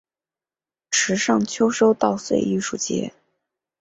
池上秋收稻穗艺术节